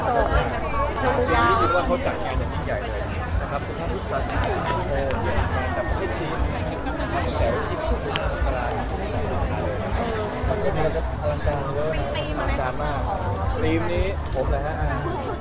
นี้อาทิตย์สุดเฮ้ยน้องบุกคลาดแอ้วมาเช็ดข้าวอาทิตย์ตรงที่